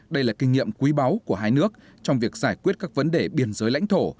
đây là kinh nghiệm quý báu của hai nước trong việc giải quyết các vấn đề biên giới lãnh thổ